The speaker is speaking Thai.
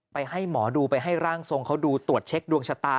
ให้หมอดูไปให้ร่างทรงเขาดูตรวจเช็คดวงชะตา